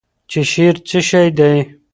چې شعر څه شی دی؟